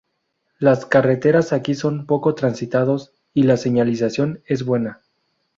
Las carreteras aquí son poco transitados y la señalización es buena.